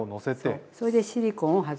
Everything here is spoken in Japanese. そうそれでシリコンを外す。